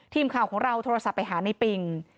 ทีมข่าวของเราโทรศัพท์ไปหาในปิง